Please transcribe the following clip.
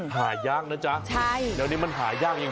หายากนะจ๊ะเดี๋ยวนี้มันหายากจริง